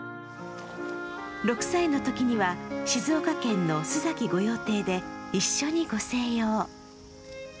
６歳のときには静岡県の須崎御用邸で一緒にご静養。